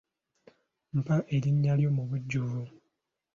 Mpa erinnya lyo mu bujjuvu